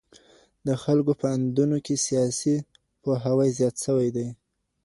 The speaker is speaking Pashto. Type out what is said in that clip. د خلګو په اندونو کي سياسي پوهاوی زيات سوی دی.